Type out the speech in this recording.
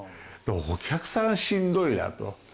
お客さんがしんどいなと。